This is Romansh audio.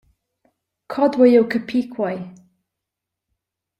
Co duei jeu capir quei?